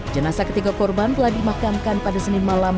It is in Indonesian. jenasa ketiga korban telah dimakamkan pada senin malam